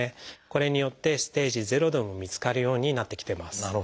これによってステージ０でも見つかるようになってきてます。